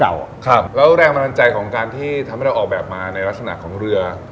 ครับแล้วแรงบันดาลใจของการที่ทำให้เราออกแบบมาในลักษณะของเรือ